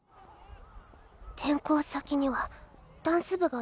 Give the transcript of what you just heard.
転校先にはダンス部がないから。